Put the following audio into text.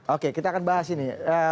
oke kita akan bahas ini